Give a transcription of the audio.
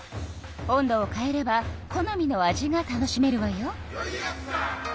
温度を変えれば好みの味が楽しめるわよ。